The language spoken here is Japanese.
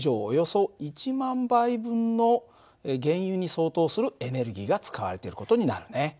およそ１万杯分の原油に相当するエネルギーが使われてる事になるね。